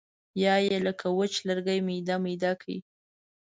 یا یې لکه وچ لرګی میده میده کړي.